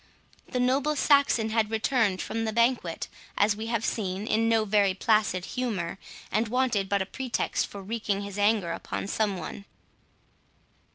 The noble Saxon had returned from the banquet, as we have seen, in no very placid humour, and wanted but a pretext for wreaking his anger upon some one.